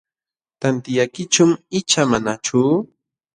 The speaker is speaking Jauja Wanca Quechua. ¿Tantiyankichum icha manachu?